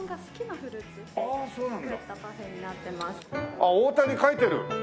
あっ大谷描いてる！